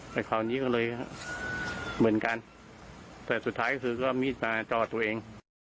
แต่คราวนี้ก็เลยเหมือนกันแต่สุดท้ายก็คือก็มีมาจอดตัวเอง